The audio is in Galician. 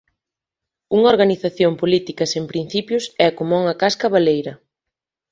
Unha organización política sen principios é como unha casca baleira.